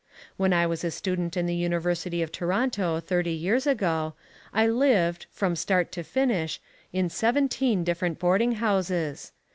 When I was a student at the University of Toronto thirty years ago, I lived, from start to finish, in seventeen different boarding houses.